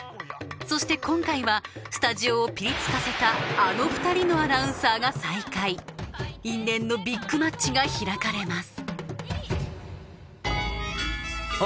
そして今回はスタジオをピリつかせたあの２人のアナウンサーが再会因縁のビッグマッチが開かれます